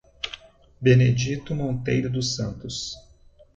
Benedito Monteiro dos Santos